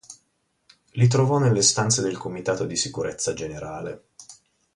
Li trovò nelle stanze del Comitato di Sicurezza Generale.